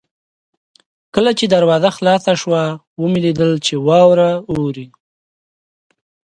کله چې دروازه خلاصه شوه ومې لیدل چې واوره اورې.